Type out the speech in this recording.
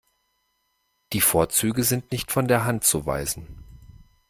Die Vorzüge sind nicht von der Hand zu weisen.